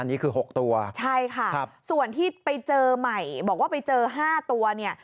อันนี้คือ๖ตัวใช่ค่ะส่วนที่ไปเจอใหม่บอกว่าไปเจอห้าตัวเนี่ย